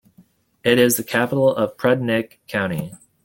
It is the capital of Prudnik County.